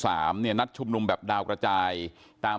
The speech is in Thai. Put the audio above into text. สวัสดีคุณผู้ชมครับสวัสดีคุณผู้ชมครับ